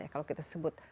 kalau kita sebut